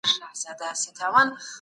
د عامو خلګو غوښتنو ته زيات درناوی وسو.